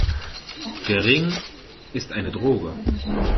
Der Ring ist eine Droge.